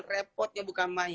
repotnya bukan main